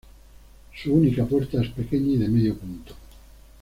Su única puerta es pequeña y de medio punto.